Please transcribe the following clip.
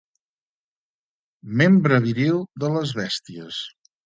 Membre viril de les bèsties.